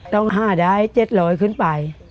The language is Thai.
ต้องห้าได้เจ็ดร้อยขึ้นไป